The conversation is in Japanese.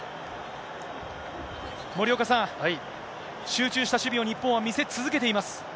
森岡さん、集中した守備を日本は見せ続けています。